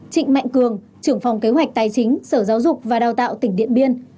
trịnh mạnh cường trưởng phòng kế hoạch tài chính sở giáo dục và đào tạo tỉnh điện biên